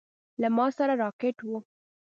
له ما سره راکټ و.